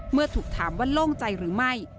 เมื่อถูกถามว่าโล่งใจหรือไม่